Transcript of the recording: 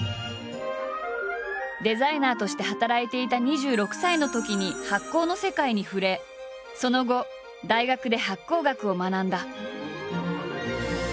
デザイナーとして働いていた２６歳のときに発酵の世界に触れその後大学で発酵学を学んだ。